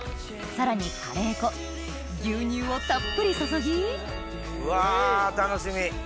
さらにカレー粉牛乳をたっぷり注ぎうわ楽しみ！